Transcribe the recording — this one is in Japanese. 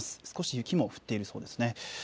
少し雪も降っているそうですね。